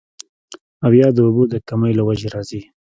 او يا د اوبو د کمۍ له وجې راځي